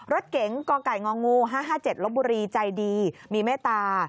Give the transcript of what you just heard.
รถเก๋งกไก่ง๕๕๗ลบบุรีใจดีมีเมตตา